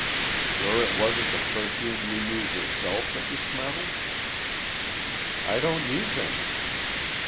"Sure it wasn't the perfume you use yourself that you smelled?" "I don't use any."